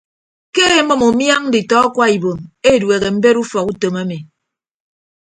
Ke emʌm umiañ nditọ akwa ibom edueehe mbet ufọk utom emi.